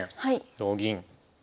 同銀。